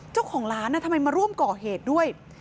เจ้าของร้านทำไมมาร่วมก่อเหตุด้วย